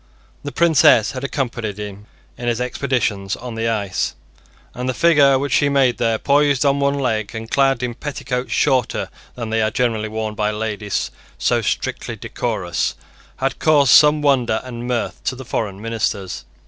The Princess had accompanied him in his expeditions on the ice; and the figure which she made there, poised on one leg, and clad in petticoats shorter than are generally worn by ladies so strictly decorous, had caused some wonder and mirth to the foreign ministers.